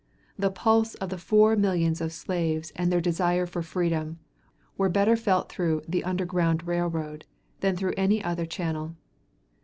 The pulse of the four millions of slaves and their desire for freedom, were better felt through "The Underground Railroad," than through any other channel.